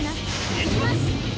行きます！